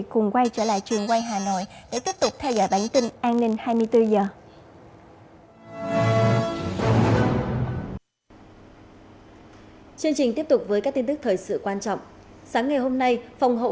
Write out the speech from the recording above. cùng chia sẻ những lời chúc và đức và làm ra từng món bánh